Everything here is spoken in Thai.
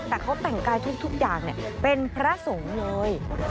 แต่เขาแต่งกายทุกอย่างเป็นพระสงฆ์เลย